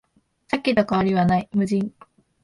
さっきと変わりはない、無人